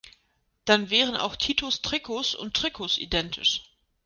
Dann wären auch Titus Triccus und Triccus identisch.